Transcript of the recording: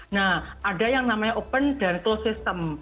nah ada yang namanya open dan close system